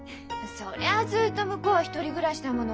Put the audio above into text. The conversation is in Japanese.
そりゃずっと向こうは１人暮らしだもの。